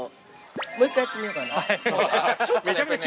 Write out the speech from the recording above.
もう１回やってみようかな。